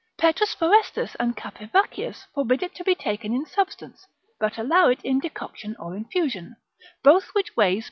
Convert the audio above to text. P. Forestus and Capivaccius forbid it to be taken in substance, but allow it in decoction or infusion, both which ways P.